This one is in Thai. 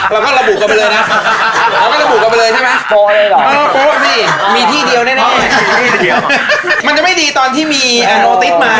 เราก็ระบุกันไปเลยนะเราก็ระบุกันไปเลยใช่ไหมมีที่เดียวแน่เดี๋ยวมันจะไม่ดีตอนที่มีอโนติสมา